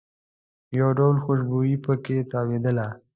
یو ډول خوشبويي په کې تاوېدله.